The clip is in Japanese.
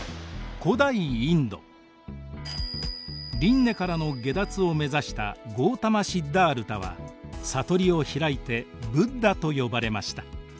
輪廻からの解脱を目指したガウタマ・シッダールタは悟りを開いてブッダと呼ばれました。